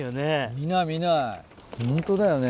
見ない見ないホントだよね。